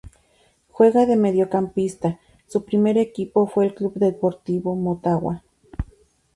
Juega de mediocampista, su primer equipo fue el Club Deportivo Motagua.